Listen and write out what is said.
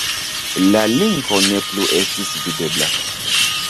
La linko ne plu estis videbla.